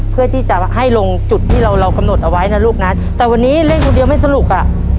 เพื่อที่จะให้ลงจุดที่เราเรากำหนดเอาไว้นะลูกนะแต่วันนี้เล่นคนเดียวไม่สนุกอ่ะ